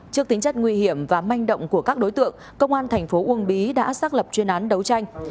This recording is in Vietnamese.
trước tính chất nguy hiểm và manh động của các đối tượng công an thành phố uông bí đã xác lập chuyên án đấu tranh